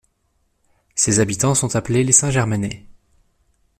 Ses habitants sont appelés les Saint-Germanais.